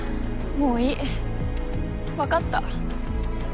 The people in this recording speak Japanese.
もういいわかった。